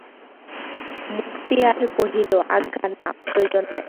মুক্তিয়ার কহিল, আজ্ঞা না, প্রয়োজন নাই।